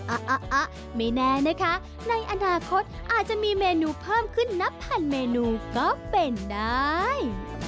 ไม่แน่นะคะในอนาคตอาจจะมีเมนูเพิ่มขึ้นนับพันเมนูก็เป็นได้